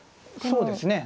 そうですね。